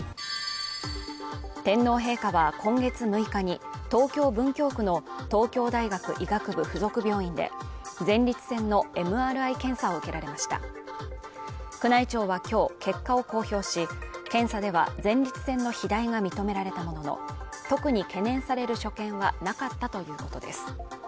天皇陛下は今月６日に東京・文京区の東京大学医学部附属病院で前立腺のＭＲＩ検査を受けられました宮内庁はきょう結果を公表し検査では前立腺の肥大が認められたものの特に懸念される所見はなかったということです